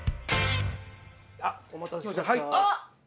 お待たせしました。